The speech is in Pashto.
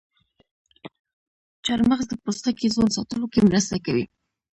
چارمغز د پوستکي ځوان ساتلو کې مرسته کوي.